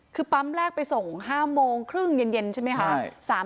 คือปั๊มแรกไปส่ง๕โมงครึ่งเย็นใช่ไหมคะ